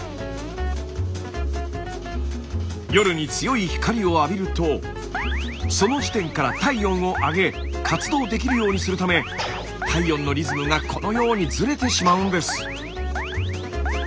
夜に強い光を浴びるとその時点から体温を上げ活動できるようにするため体温のリズムがこのようにずれてしまうんです。